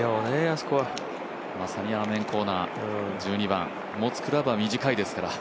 まさにアーメンコーナー、１２番、持つクラブは短いですから。